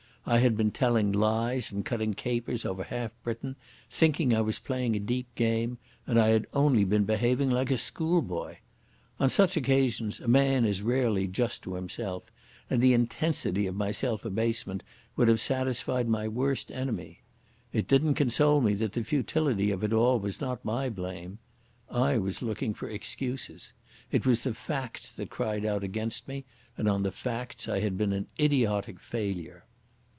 I had been telling lies and cutting capers over half Britain, thinking I was playing a deep game, and I had only been behaving like a schoolboy. On such occasions a man is rarely just to himself, and the intensity of my self abasement would have satisfied my worst enemy. It didn't console me that the futility of it all was not my blame. I was looking for excuses. It was the facts that cried out against me, and on the facts I had been an idiotic failure.